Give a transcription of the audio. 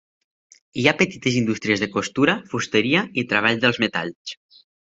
Hi ha petites indústries de costura, fusteria i treball dels metalls.